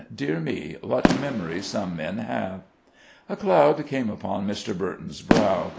Dear me! What memories some men have!" A cloud came upon Mr. Burton's brow.